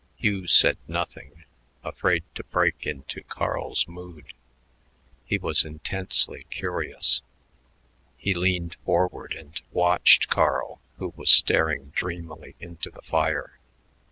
Hugh said nothing, afraid to break into Carl's mood. He was intensely curious. He leaned forward and watched Carl, who was staring dreamily into the fire.